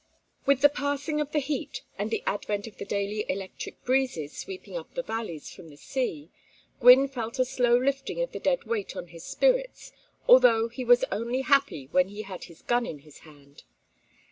With the passing of the heat and the advent of the daily electric breezes sweeping up the valleys from the sea, Gwynne felt a slow lifting of the dead weight on his spirits, although he was only happy when he had his gun in his hand.